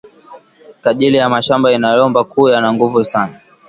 Kaji ya mashamba ina lomba kuya na nguvu sana